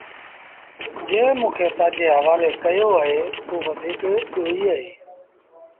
جنٚهنٚ موٚنٚ کي تآجي هوآلي ڪيو اهي اوٚ وڌيٚڪ ڏوهيٚ اهي۔